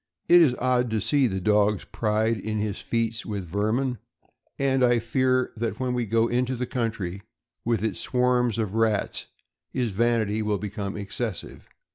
It is odd to see the dog's pride in his feats with vermin; and I fear that when we go into the country, with its swarms of rats, his vanity will become excessive.